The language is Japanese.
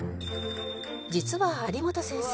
実は有元先生